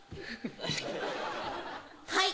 はい！